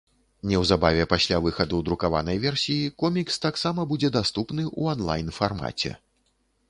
Неўзабаве пасля выхаду друкаванай версіі комікс таксама будзе даступны ў анлайн-фармаце.